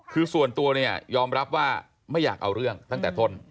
คือส่วนตัวเนี่ยยอมรับว่าไม่อยากเอาเรื่องตั้งแต่ต้น